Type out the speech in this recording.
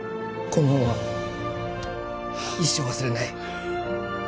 この恩は一生忘れない